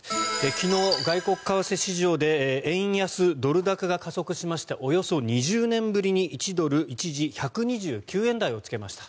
昨日、外国為替市場で円安・ドル高が加速しましておよそ２０年ぶりに１ドル一時１２９円台をつけました。